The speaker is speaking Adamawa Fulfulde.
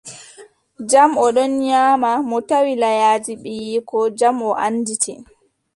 Jam, o ɗon nyaama, mo tawi layaaji ɓiyiiko, jam mo annditi.